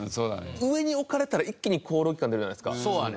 上に置かれたら一気にコオロギ感出るじゃないですか。